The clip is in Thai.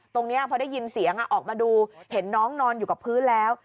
ตรงนี้พอได้ยินเสียงออกมาดูเห็นน้องนอนอยู่กับพื้นแล้ว